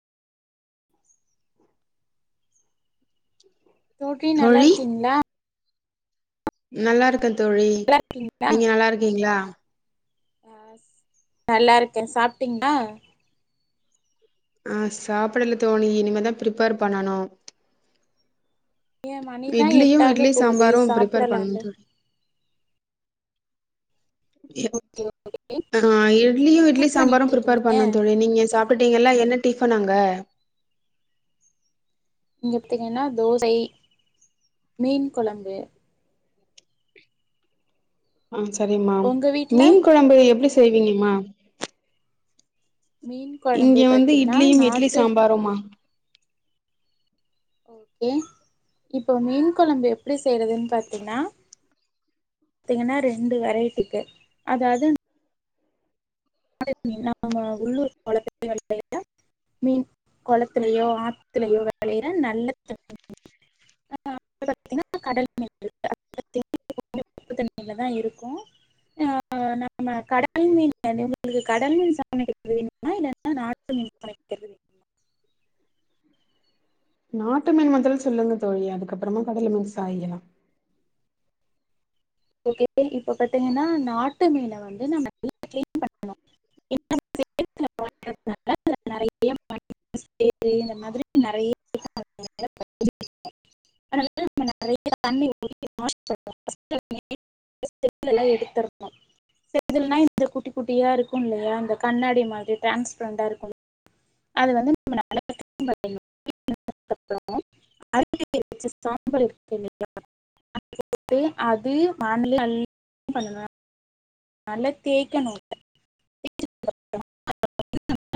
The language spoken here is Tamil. [inaudible] தோற்றி நல்லா இருச்கீங்களா நல்லாருக்கேன் தோழி நல்லா நீங்க நல்லாருக்கீங்களா அ நல்லா இருக்கே சாப்ட்டீங்ளா அ சாப்படல தோனி இனிமதா ப்ரிப்பர் பண்ணனு ஏன் மணிதா இட்லியு எட்டாக இட்லி போகுதே சாம்பாரு பிப்பேர் பண்ணனு சாப்பிடலாம்ல தோழி ஓகே ஓகே அ இட்லியும் என்ன இட்லி பண்ணிட்டு சாம்பாரும் பிரிப்பர் இருக்கீங்க பண்ணு தோழி நீங்க சாப் சாப்டிங்களா என்ன டிஃபன் அங்க இங்க பத்திங்கன்னா தோசை மீன் கொழம்பு ஆ சரிமா உங்க வீட்ல மீன் கொழம்பு எப்டி செய்விங்கம்மா மீன் குழம்பு இங்க வந்து பாத்தீங்கன்னா இட்லியும் இட்லி நாட்டு சாம்பாரும்மா ஓகே இப்ப மீன் கொழம்பு எப்படி செய்யறதுன் பாத்தினா பாத்திங்கனா ரெண்டு வெரைட்டி இருக்கு அதாது நாம உள்ளூர் கொளத்துல வெளையற மீன் கொளத்துலயோ ஆத்துலயோ வெளையற நல்ல தண்ணி மீன் இன்னொனு வந்து பாத்திங்கனா கடல் மீன் இருக்கு அது உப்பு தண்ணிலதா இருக்கு ஆ நாம கடல் மீன் உங்களுக்கு கடல் மீன் சமைக்கிறது வேணுமா இல்லன்னா நாட்டு மீன் சமைக்கறது வேணுமா நாட்டு மீன் மொதல்ல சொல்லுங்க தோழி அதுக்கப்பறமா கடல் மீன் சாயிகலா ஓகே இப்ப பாத்திங்கன்னா நாட்டு மீன வந்து நம்ம நல்லா கிளீன் பண்ணனு ஏனா சேத்துல வளர்றதுனால அதுல நெறையா மண்ணு சேறு இந்த மாதிரி நெறைய [inaudible] கழுவி செதிலலா எடுத்தர்னு செதில்னா இந்த குட்டி குட்டியா இருக்கு இல்லையா இந்த கண்ணாடி மாதிரி டிரான்ஸ்பரண்டா இருக்குல்ல அது வந்து நம்ம நல்லா கிளீன் பண்ணனு கிளீன் பண்ணதுக்கப்ற [inaudible] சாம்பல் இருக்கில்லைங்ளா அத எடுத்து அது மணல அள்ளியு பண்ணலா நல்லா தேய்க்கணு [inaudible]